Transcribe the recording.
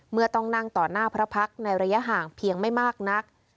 เมื่อต้องนั่งต่อหน้าพระพักษ์ในระยะห่างเพียงไม่มากนัก